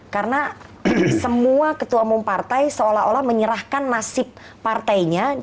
karena semua ketua umum partai seolah olah menyerahkan nasib partainya